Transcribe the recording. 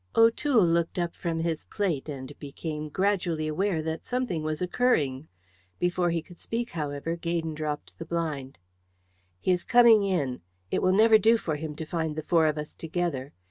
O'Toole looked up from his plate, and became gradually aware that something was occurring. Before he could speak, however, Gaydon dropped the blind. "He is coming in. It will never do for him to find the four of us together.